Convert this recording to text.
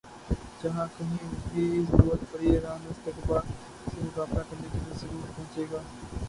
جہاں کہیں بھی ضرورت پڑی ایران استکبار سے مقابلہ کرنے کے لئے ضرور پہنچے گا